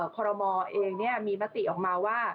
พมเองมีปฏิออกมาว่า